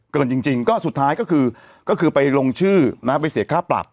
เกินจริงก็สุดท้ายก็คือก็คือไปลงชื่อนะไปเสียค่าปรับ